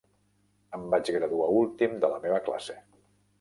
Em vaig graduar últim de la meva classe.